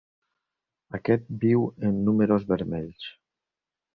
Aquest viu en números vermells.